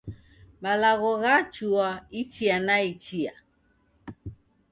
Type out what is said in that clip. Malagho ghachua ichia na ichia